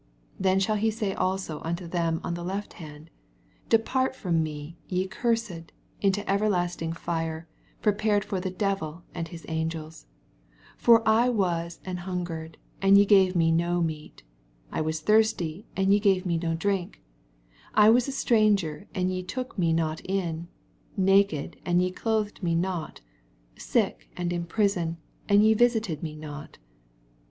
41 Then shall he sf^ also nnto them on the left hand. Depart from me, ye cursed, into everlasting fire, prepared for the devil and his angels : 42 For I was an hungered, and ye gave me no meat : I was thirsty, and ye gave me no drink : 48 I was a stranger, and ye took me not in : naked, and ye clothed me not ; sick, and in prison, and ye vis ited me not.